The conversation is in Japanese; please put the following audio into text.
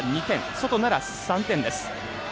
外なら３点です。